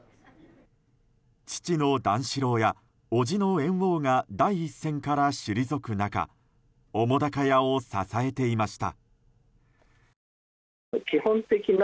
父の段四郎やおじの猿翁が第一線から退く中澤瀉屋を支えていました。